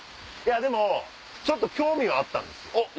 ちょっと興味はあったんですよ。